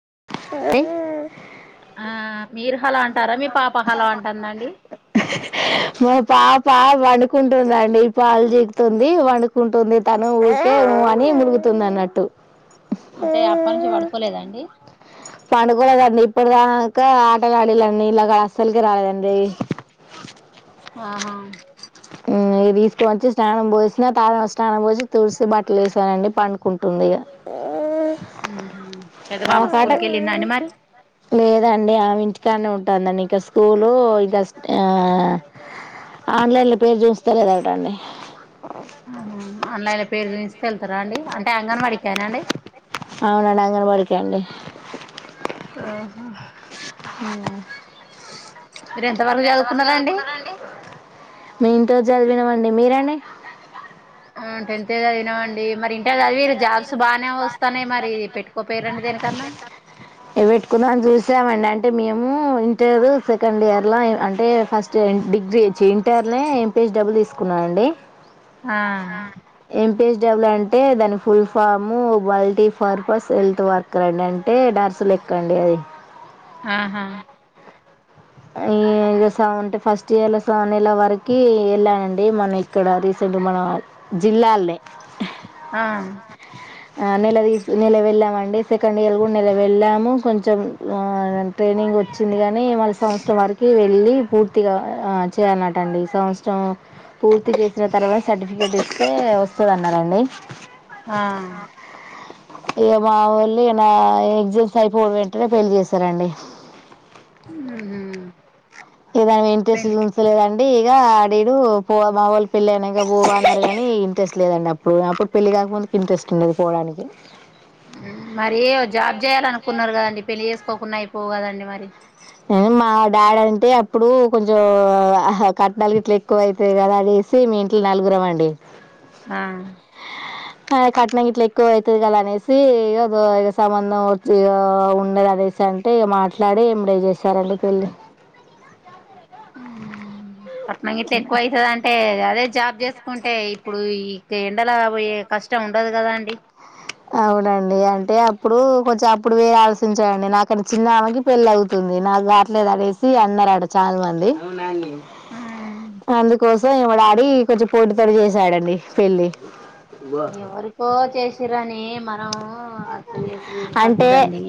[unintelligible] ఆ మీరు హలో అంటారా మీ పాప హలో అంటుందండి మా పాప పా పండుకుంటుందండి పాలు జీకుతుంది వండుకుంటుంది తను ఊకే ఊ అని మూలుగు తుందన్నట్టు అంటే అప్ప నుంచి పడుకోలేదా అండి పండుకో లేదండి ఇప్పుడు దాక ఆటలు ఆడిళ్ళండి ఇలాగా అస్సల్ కి రాలేదండి [inaudible] ఆహా ఉమ్ దీసుక వచ్చి స్నానం బోసినా తా స్నానం పోసి తూడిసి బట్టలు యేసానండి పండుకుంటుం ఇగా ఉఉమ్మ్ [unintelligible] లేదండి ఆమె ఇంటికాడనే ఉంటుందండి ఇక స్కూలు ఇక ఆ ఆన్లైన్లో పేరు చూస్తా లేదటండి అన్లైల పేరు చూయించికెళ్తారా అండి అంటే అంగన్వాడికేనా అండి రండి ఆహా మ్మ్ మీరు ఎంతవరకు చదువుకున్నారండి మే ఇంటర్ చదివినామండి మీరండి టెన్త్ ఏ చదివినమండి మరి ఇంటర్ చదివిరు జాబ్స్ బాగానే వస్తన్నాయి మరి పెట్టుకోపోరండి దేనికన్నా ఇగా పెట్టుకుందామని చూసామండి అం అంటే మేము ఇంటర్ సెకండ్ ఇయర్ లా అంటే ఫస్ట్ డిగ్రీ చి ఇంటర్ లనే పె డబ్బులు తీసుకున్నా అండి ఆ [unintelligible] అంటే దాని full form multi purpose health worker అండి అంటే నర్సు లాగా అది ఆహా ఆయె ఇగ [unintelligible] ఫస్ట్ ఇయర్లో సన్ళ వరకి వెళానండి మనం ఇక్కడ రీసెంట్గా మన జిల్లానే ఆ ఆహా నెల తి నెల వెళ్ళామండి సెకండ్ ఇయర్ కూడా ఎలా వెళ్ళాము కొంచెం ఆ ట్రైనింగ్ వచ్చింది కాని వాళ్లు సం సంవత్సరం వరకు వెళ్ళి పూర్తిగా ఆ చేయాలన్నటండి సంవత్సరం పూర్తి చేసిన తర్వాత సర్టిఫికెట్ ఇస్తే వస్తదన్నారండి ఆ ఇక మా వాళ్ళు ఇగా నా ఎగ్జామ్స్ అయిపోయిన వెంటనే పెళ్లి చేసారండి ఊమ్మ్ ఇదాని ఇంట్రెస్ట్ చూస్తాలేదండి ఇక నేను మా వొళ్ళు పెళ్లి అయినాక పో అన్నారు కానీ ఇంట్రస్ట్ లేదండి అప్పుడు అప్పుడు పెళ్లి కాక ముందు ఇంట్రెస్ట్ ఉండేది పోడానికి అ మరి జాబ్ చేయాలనుకున్నారు కదండి పెళ్లిి చేసుకోకున్నా అయిపోవు కదండి మరి నేను మా డాడీ అంటే అప్పుడు కొంచెం కట్టనాలు గిట్ల ఎక్కువ అైతది కదా అని సి మీ ఇంట్ల నలుగురం అండి ఆ ఆ కట్నం ఇట్లా ఎక్కువ అయితది కదా అనేసి ఏదో సంబంధం వోచి ఆహా ఉన్న ప్రదేశ్ అంటే ఇగా మాట్లాడి ఎమ్మటే చేశారండి పెళ్ళి కట్నం గిట్ల ఎక్కువ అయితది అంటే అదే జాబ్ చేసుకుంటే ఇప్పుడు ఈ ఎండలా పోయే కష్టం ఉండదు కదా అండి అవునండి అంటే అప్పుడు కొంచెం అప్పుడు వేరే ఆలోచించడండి నాకన్నా చిన్నామకి పెళ్లయితుంది నాకు కావట్లేదు అనేసి అన్నారు అంట చాలా మంది అందుకోసం ఇగా మా డాడీ కొంచెం పోటీపడి చేసాడండి పెళ్లి ఎవరికో చేసిరని ఎం అంటే పద్ధతండి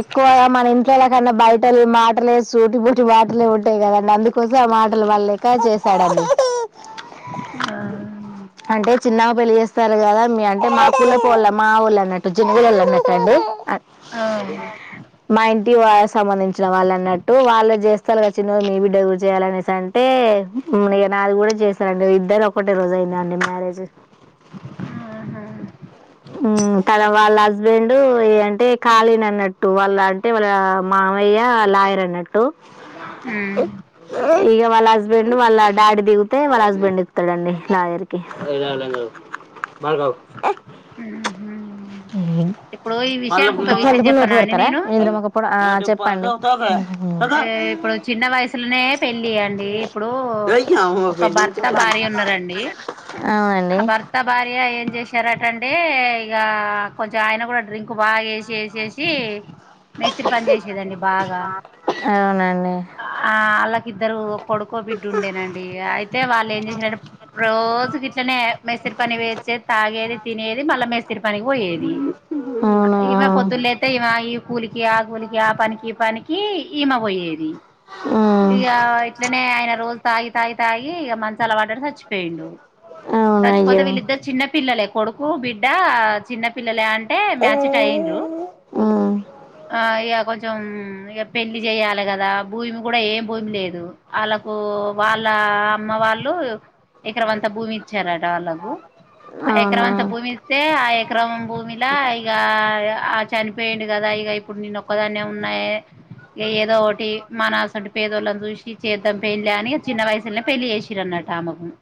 ఎక్కువ మన ఇంట్లో న్నా బయటోలు మాటలే సూటి బొటి మటలే ఉంటాయి కదండి అందుకోసం ఆ మాటలు పడలేక చేశాడండి [unintelligible] ఆ అంటే చిన్నగా పెళ్లి చేస్తారు కదా మీ అంటే మా కులపోలే మా హోళ్ళ అన్నట్టు [unintelligible] అనటాండి ఆ మా ఇంటి వా సంబంధించి వచ్చిన వాళ్ళు అన్నట్టు వాళ్ళు చేస్తారు కద చిన్నగా మీ బిడ్డ కి కూడా చేయాలఅంటే ఇగ నాది కూడా చేస్తారండి ఇద్దరిది ఒకటే రోజు అయిందఅండి మ్యారేజ్ ఆహా హు కదా వాళ్ళ హస్బెండ్ ఏ అంటే ఖాళీని అన్నట్టు వాళ్ళ అంటే వాళ్ళ మా మామయ్య లయరన్నట్టు ఉమ్ ఇగ వల్ల హుస్బేండ్ రెండు వల్ల డాడీ దిగుతే హస్బెండ్ హస్బెండ్ ఎక్కుతారండీ మార్గ ఆ ఇ విషయం పలుపుడు నోట్లు చెప్పనా అండి పెడతారా నేను నిద్ర ఒక పొడ ఆ చెప్పండి ఏ ఇప్పుడు చిన్న వయసులోనే పెళ్ళి అయంది ఇప్పుడు ఒక భర్త బ భార్య ఉన్నారండి అవునండి ఆ భర్త భార్య ఏం చేశార ఎంటే ఇగా కొంచెం ఆయన కూడా డ్రింక్ బాగా వేసి వేసేసి మిస్త్రి పని చేసేదండి బాగా అవునండి ఆ వాళ్ళకిద్దరు కొడుకో బిడ్డు ఉండేనండి అయితే వాళ్ళు ఏం చేసిన రోజ రోజు గట్నే మేస్స్రి పని వేసేది తాగేది తినేది మళ్ళా మేస్తరి పని కి పోయేది అవును ఆ. ఇమె పొత్దులు అయితే ఇ ఈ కూలికి ఆ కూలికి ఆ పనికి ఈ పనికి ఈమ పోయేది ఆ, ఇక ఇట్లనే ఆయన రోజు తాగి తాయి తాయి ఇ మంచి అలవాట చచ్చిపోయిండు అవును చచ్చిపోతే అయ్యో వీళ్ళిద్దరు చిన్న పిల్లలే కొడుకు బిడ్డ చిన్నపిల్లలు అం టే మ్యాచ్ట్ అయిరు ఉమ్, ఇక కొంచెం పెళ్లి చేయ్యాలి కదా భూమి కూడా ఏం భూమి లేదు వాళ్ళకు వాళ్ళ అమ్మ వాళ్ళు ఉ ఎకారం వంత భూమి ఇచ్చారట వాళ్లకు ఆ అవునా ఎకరం అంత భూమి ఇస్తతే ఆ ఎకరం భూమిలా ఈగ ఆ చనిపోయిడు కదా ఇక ఇప్పుడు నేను ఒక్కదాన్నే ఉన్నాయి ఏదో ఒకటి మనసటు పేదోళ్ళం చూసి చేద్దాం పెళ్లి అని చిన్న వయసులోనే పెళ్లిి చేసిన్రు అన్నట తామం [unintelligible]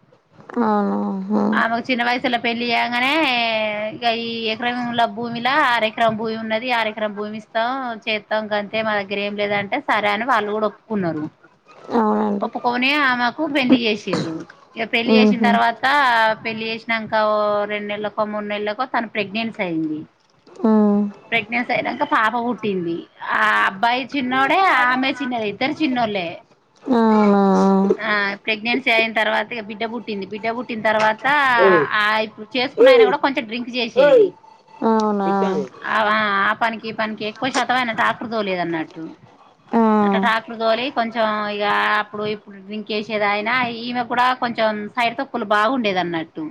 అవునా హ పెళ్లిి చేయగానే ఇక ఈ ఎకరం ఉల భూమి లా ఆరఎకరం భూమి ఉన్నది ఆరఎకరం భూమి ఇస్తా స్తాం చేస్తాం కంటే మా దగ్గర ఏం లేదంటే సరే అని వాళ్ళు కూడా ఒప్పుకున్నారు అవునండి ఒప్పుకోొని ఆమెకు పెళ్లి చేసిరు ఇక పెళ్లి చేసిన ఉహు, తర్వాత పెళ్లి చేసి వినాక రెం నెలకో మూడు నెలకో తన ప్రెగ్నెన్సీ అయింది ఉమ్. ప్రెగ్నెన్సీ అయినాక పాప పుట్టింది ఆ అబ్బాయి చిన్నోడే ఆమె చిన్నది ఇద్దరు చిన్నోళ్ళే ఆవునా ఆ ప్రెగ్నెన్సీ అయిన తర్వాత బిడ్డ పుట్టింది బిడ్డ పుట్టిన తర్వాత ఆ ఇప్పుడు చేసుకు ఆయన కూడా కొంచెం డ్రింక్ చేసేది ఆ ఆ ఆ పనికి పనికి ఎక్కువ శాతం ఆయన ఆకృదో లేదన్నట్టు అట్ టాకులు తోలి కొంచెం ఇక అప్పుడు ఇప్పుడు డ్రింక్ వేసేదిా ఆయన ఈమె కూడా కొంచెం సైడ్ తక్కులు బాగుండేది అన్నట్టు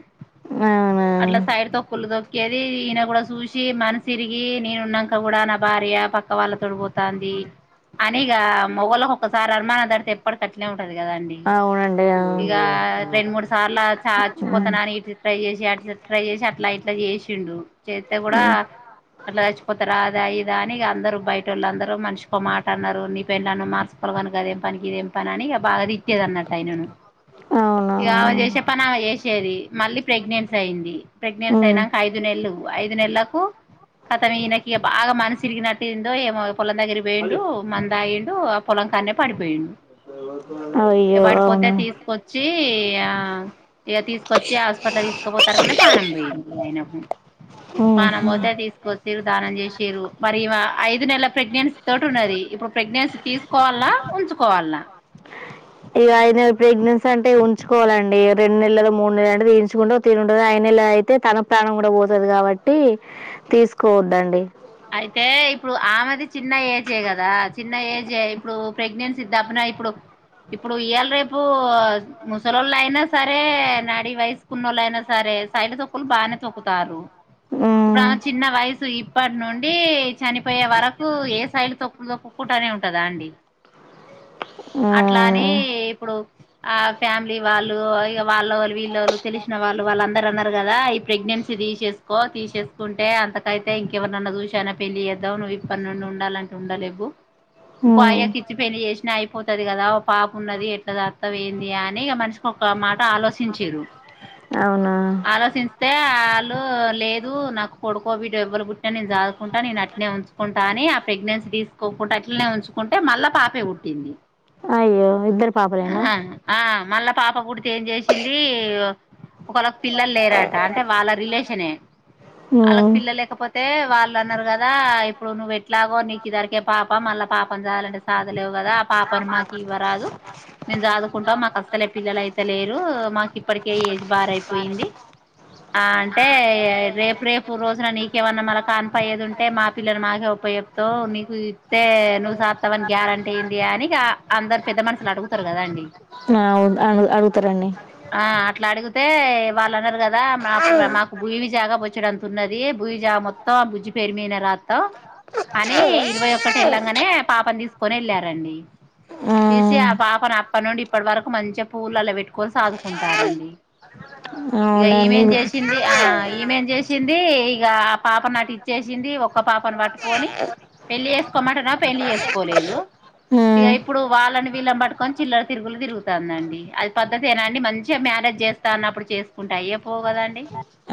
అట్లా సైడ్ తొకులు తొక్కేది ఈయన కూడా చూసి మనసిరిగి నేను ఉన్నాక కూడా నా భార్య పక్క వాళ్ళ తొడిపోతాంది అనిక మొగళకి ఒకసారి అనుమాన డితే ఎప్పటికట్టలే ఉంటది కదా అండి అవునండి ఆ ఇక రెండు మూడు సార్లు చచ్చిపోతాను అని ఇ ట్రై చేసి ట్రై చేసి అట్లా ఇట్లా చేసి ఉండు చేస్త కూడా అట్లా చచ్చిపోతారుాదా ఇదాని అందరుూ బయట వాళ్ళు అందరుూ మనిష మాట అన్నారు నీ పెళను మార్చకోలను అదేం పనికి ఇదేం పని అని బాగా తిట్టేది అన్నట్టు ఆయనను అవునా ఇక ఆమె చేసే పని ఆమె చేసేది మళ్ళీ ప్రెగ్నెన్సీ అయింది ప్రెగ్నెన్ీ అయినాక ఐదు నెలలు ఐదు నెలల అత ఈయనకి బాగా మనిసుిరిగినట్టుందో ఏమో పొలం దగ్రి పోేండు మందాయిండు ఆ పొలంకన్న పడిపోయిండు అయ్యో అవునా కొచ్చి ఆ ఇగ తీసుకొచ్చి హాస్పిటల్ తీసుకపోతారు కనే పానం పోయింది అయినకు పానం పోతే తీసుకొచ్చరు దానం చేసిరు మరి ఐదు నెలల ప్రెగ్నెంసీ తోటి ఉన్నది ఇప్పుడు ప్రెగ్నెన్సీ తీసుకోవాలా నా ఉంచుకోవాలనా ఇగ ఐదు నెలల ప్రెగ్నెన్సీ అంటే ఉంచుకోవాలండి రెండు నెలదో మూడు నెల తీయించుకుంటే ఒక తీరు ఉంటాది ఐదు నెల ఇలా అయితే తన ప్రాణం కూడా పోతది కాబట్టి తీసుకోవదు అండి అయితే ఇప్పుడు ఆమెది చిన్న ఏజే కదా చిన్న ఏజ్ ఇప్పుడు ప్రెగ్నెన్సీ దప్పన ఇప్పుడు ఇప్పుడు ఇయ్యాల రేపు ముసలోళ్ళు అయినా సరే నాడీ వయసుకున్న వాళ్ళు అయినా సరే టే సైడ్ చకులు బాగానే చక్కుతారు ఇప్పుడు ఆమె చిన్న వయసు ఇప్పటి నుండి డి చనిపోయే వరకు ఏ సైడులు తొక్కు తొక్కుకుంటనే ఉంటదా అండి అట్లా అని ఇప్పుడు ఆ ఫ్యామిలీ వాళ్ళు ఇగ వాళ్ళ వాళ్ళు వీళ్ళ వాళ్ళు తెలిసిన వాళ్ళు వాళ్ళందరరు అన్నారు కదా ఈ ప్రెగ్నెన్సీ తీసేసుకో తీసేసుకుంటే అంతకైతే ఇంకెవరన్నా చూసి చనా పెళ్లిి చేద్దాం నువ్వు ఇప్పటి నుండి ఉండాలంటే ఉండా లేవు ఇంకో ఆయనకిచ్చి పెళ్లి చేసినా అయిపోతది కదా ఓ పాప ఉన్నది ఎట్లా సాక్తావ్ ఏంది అని ఇగ మనిషికి కో ఒక మాట ఆలోచింరు అవునా ఆలోచిస్తే వాళ్ళు లేదు నాకు కొడుకోబిడ ఎవ్వరు పుట్టటిన నేను సాదు కుంట నేను అట్నే ఉంచుకుంటా అని ఆ ప్రెగ్నెన్సీ తీసుకోకుంంటడా అట్లనే ఉంచుకుంటే మళ్ళా పాపే పుట్టింది అయ్యో ఇద్దరు పాపలేనా ఆ ఆ మళ్ళా పాప పుడితే ఏం చేసింది ఒకళ్ళకి పిల్లలు లేరాట అంటే వాళ్ళ రిలేషనే వాళ్ళకి పిల్ల లేకపోతే వాళ్ళ అన్నారు కదా ఇప్పుడు నువ్వు ఎట్లాగో నీకు ఈదారికే పాప మళ్ళా పాప సాదాలంటే సాధ లేవు కదా ఆ పాప మాకి ఇవ్వరాదు మేము జదువుకుంటా మాకి అసలే పిల్లలయితే లేరు మాకు ఇప్పటికే ఏజ్ బార్ అయిపోయింది ఆ అంటే రేపు రేపు రోజున నీకేమన్నా మళ్ కాప్ పయ్యేదు ఉంటే మా పిల్లలు మాకే ఓప్ప చెప్తావ్ మీకు ఇస్తే నువ్వు సాదుతావని గ్యారెంటీ ఏంది అని చ అందరు పెద్ద మనుషులు అడుగుతారు కదా అండి ఆ అవు అ అడుగుతారంండి ఆ అట్లా అడిగితే వాళ్ళు అన్నారు కదా మా మాకు భూవి జాగ బొచ్చడు అంత ఉన్నది భూమి జాగ మొత్తం ఆ బు బుజ్జి పేరు మీదనే రాత్రం అని ఇరవై ఒక్కటి వెళ్ళంగానే పాపం తీసుకొని వెళ్ళారండి ఆ తీసి ఆ పాపను అప్ప నుండి ఇప్పటి వరకు మంచిగా పువ్వులల్ల పెట్టుకొని సాదుకుంటారండి అట్టిపల్లె ఇగ ఇమె ఏం చేసింది ఆ ఇమె ఏం చేసింది ఇగ ఆ పాపను నాటి చేసింది ఒక్క పాపను పట్టుకొని పెళ్లి చేసుకోమంటున్నావ్ పెళ్లి చేసుకోలేదు ఇగ ఇప్పుడు వాళ్ళని వీళ్ళని పట్టుకొని చిల్లల తిరుగులు తిగుతుందండి అది పద్ధతేనా అండి మంచిగా మ్యా చేస్తా అన్నప్పుడు చేసుకుంటె అయ్యే పోవు కదాండి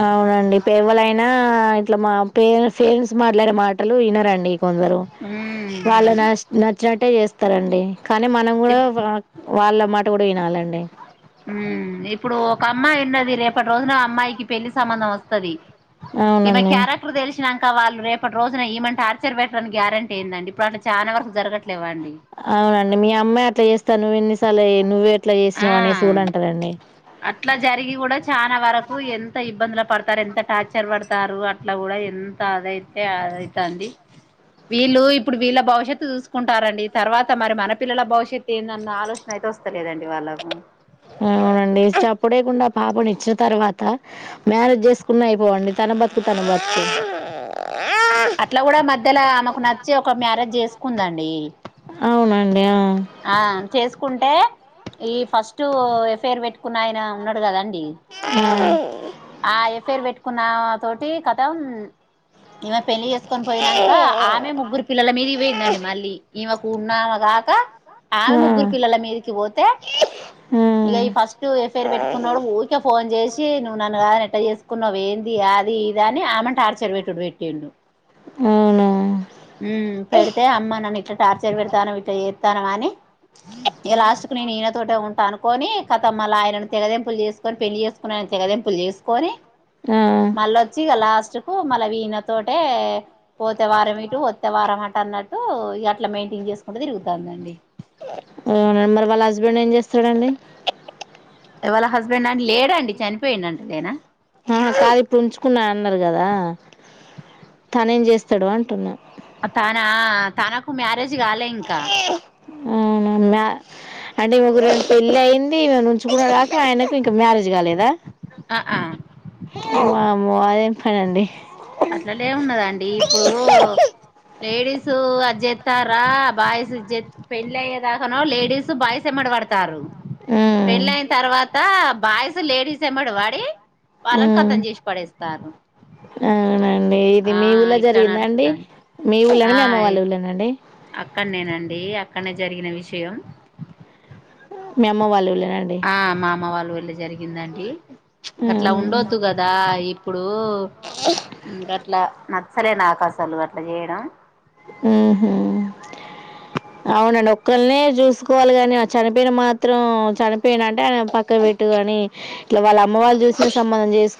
ఆ అవునండి ఎవలైనా ఇట్లా మా పేరెంట్స్ పేరెంట్స్ మాట్లాడే మాటలు వినరండి కొందరు వాళ్ళు న ఉమ్ నచ్చినట్టే చేస్తారండి కానీ మనం కూడా ఇప్ వా వాళ్ళ మాట కూడా వినాలండి ఉ ఇప్పుడు ఒక అమ్మాయి ఉన్నది రేపటి రోజున అమ్మాయికి పెళ్లి సంబంధం వస్తది ఈమె అవునండి క్యారెక్టర్ తెలిసిన నాం క వాళ్లు రేపటిరోజున ఈమెను ఆర్చర్ పెట్రని గ్యారంటీ ఏందండి ఇప్పుడు అట్ల చానా వరకు జరగట్లేవా అండి అవునండి మీ అమ్మె అట్లా చేస్త నువ్వెన్నిసలు నువ్వే ఇట్లా చేసినవ్ అనేసి ఆ కూడా అంటాదండి అట్లా జరిగి కూడా చాలా వరకు ఎంత ఇబ్బందుల పడతారు ఎంత టార్చర్ పడతారు అట్లా కూడా ఎంత అదైతే అదైతంది వీళ్ళు ఇప్పుడు వీళ్ళ భవిష్యత్తు చూసుకుంటారంండి తర్వాత మరి మన పిల్లల భవిష్యత్తు ఏందన్న ఆలోచన అయి తే వస్తాలేదండి వాళ్ళకు అవునండి అప్పుడేకుండా పాపని ఇచ్చిన తర్వాత మ్యారేజ్ చేసుకున్నా అయిపోవండి తన బతుకుత [inaudible] అట్లా కూడా మధ్యల ఆమెకు నచ్చి ఒక మ్యారేజ్ చేసుకుందండి అవునండి ఆ కుంటే ఈ ఫస్ట్ ఎఫైర్ పెట్టుకున్న ఆయన ఉన్నాడు కదండీ ఆ ఆ ఆ ఎఫైర్ పెట్టుకున్న తోటి కతం ఇమె పెళ్ళి చేసుకొని పోయినాక ఆమె ముగ్గురు పిల్లల మీదికి పోయిందండి మళ్ళీ ఇమె కూన్నా కాక ఆమె ముగ్గురు పిల్లల ఆ మీదికి పోతే ఇగ ఈ ఫస్ట్ ఎఫైర్ పెట్టుకున్నాడు ఊరికే ఫోన్ చేసి నువ్వు నన్ను కాదు ఎట్ట చేసుకున్నావ్ ఏంది ఇగ అది ఇది అని ఆమెన్ టార్చర్ పెట్టుడు పెట్టిండు హ్మ్ హ్మ్ పెడితే అమ్మ నన్ను ఇట్లా టార్చర్ పెడతానావ్ ఇట్లా చేస్తానావ్ అని ఇలాస్ట్ కు నేను ఈయనతోటె ఉంటా అనుకొని కతం మల్లా ఆయనను తెగదింపులు చేసుకొని పెళ్లి చేసుకుని తెగదెంపుల్ చేసుకొని ఆ మల్లొచ్చి ఇగ లాస్ట్ కు మన విన తోటే పోతే వారం ఇటు వత్తే వారం అటు అన్నట్టు అట్లా మెయింటైన్ చేసుకుంటూ తిరుగుతాంది అండి [inaudible] మరి వాళ్ళ హస్బెండ్ ఏం చేస్తాడండి వాళ హస్బెండ్ అండి లేడండి చనిపోయిండ అంటదేనా ఆ కాదు ఇప్పుడు ఉంచుకున్నా అన్నారు కదా తనే ఏం చేస్తాడు అంటున్నా తన తనకు మ్యారేజ్ కాలే ఇంకా అవునా మ్యా అంటే ముగ్గురు పెళ్లి అయింది నే ఉంచుకునుడు గాక ఆయనకు ఇంక మ్యారేజ్ కాలేదా ఆ ఆ వామ్మో అదేం పని అండి అట్లా లేమున్నదండి అండి ఇప్పుడు లేడీస్ అజ్జిత్తారా బాయ్స్ ఇద్ పెళ్ళయ్యదాకానో లేడీస్ బాయ్స్ వెంబడా వాడతారు ఉమ్ పెళ్ళయిన తర్వాత బాయ్స్ లేడీస్ ఏంబడి బడి వాళ్ళని ఉమ్ కతం చేసి పడేస్తారు మీ ఇది ఆ మీ ఊళ్ళ ఇట్లా జరిగిందా అండి నడుస్తాంది మీ ఊళ్ళని మీ ఆ అమ్మ వాళ్ళ ఊళ్ళనా అండి అక్కడనేనండి అక్కడనే జరిగిన విషయం మీ అమ్మ వాళ్ళ ఊళ్లో ఆ మా అమ్మ వాళ్ళు ఊర్లో జరిగిందండి అట్లా అవునా ఉండొద్దు కదా ఇప్పుడు అట్లా నచ్చలే నాకు అసలు అట్లా చేయడం మ్మ్ హ్మ్ అవునండి ఒక్కరిని చూసుకోవాలి కాని చనిపోయిన మాత్రం చనిపోయిన అంటే ఆయన పక్క పెట్టు కా ఇట్లా వాళ్ళ అమ్మ వాళ్ళ చూసినా సంబంధం చేసు